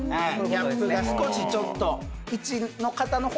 ギャップが少しちょっと。